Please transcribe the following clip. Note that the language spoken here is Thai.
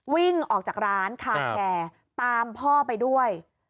วิ่งออกจากร้านคาแคร์ตามพ่อไปด้วย